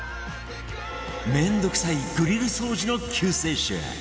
面倒くさいグリル掃除の救世主